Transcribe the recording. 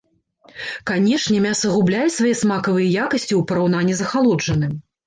Канечне, мяса губляе свае смакавыя якасці у параўнанні з ахалоджаным.